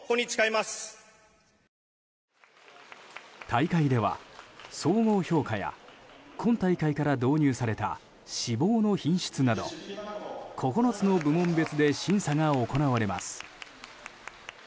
大会では、総合評価や今大会から導入された脂肪の品質など９つの部門別で審査が行われます。